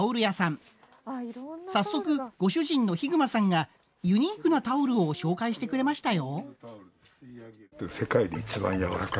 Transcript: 早速ご主人の熊さんがユニークなタオルを紹介してくれましたよ。